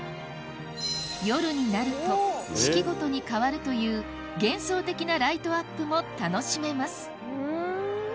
夜になると四季ごとに変わるという幻想的なライトアップも楽しめます